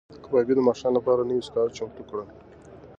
کبابي د ماښام لپاره نوي سکاره چمتو کړل.